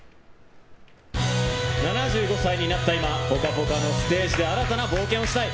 ７５歳になった今「ぽかぽか」のステージで新たな冒険がしたい。